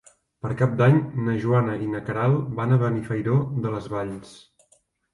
Per Cap d'Any na Joana i na Queralt van a Benifairó de les Valls.